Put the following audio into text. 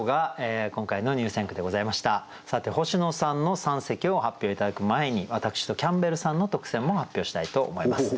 星野さんの三席を発表頂く前に私とキャンベルさんの特選も発表したいと思います。